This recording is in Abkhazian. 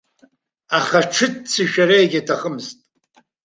Аха аҽыццышә ара егьаҭахымызт.